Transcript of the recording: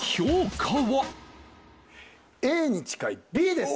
Ａに近いＢです。